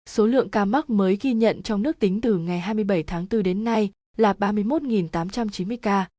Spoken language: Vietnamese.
số lượng ca mắc mới ghi nhận trong nước tính từ ngày hai mươi bảy tháng bốn đến nay là ba mươi một tám trăm chín mươi ca